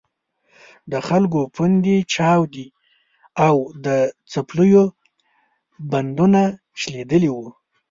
د خلکو پوندې چاودې او د څپلیو بندونه شلېدلي وو.